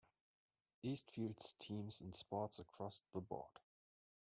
East fields teams in sports across the board.